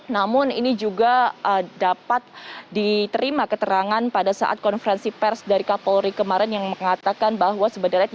namun ini juga dapat diterima keterangan pada saat konferensi pers dari kapolri kemarin yang mengatakan bahwa sebenarnya